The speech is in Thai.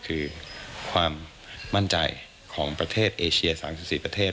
คือความมั่นใจของประเทศเอเชีย๓๔ประเทศ